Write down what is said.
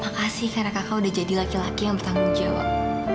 makasih karena kakak udah jadi laki laki yang bertanggung jawab